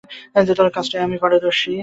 কাজটায় আমি পারদর্শী।